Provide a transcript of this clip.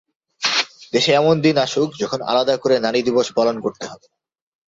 দেশে এমন দিন আসুক, যখন আলাদা করে নারী দিবস পালন করতে হবে না।